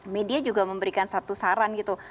media juga memberikan satu saran gitu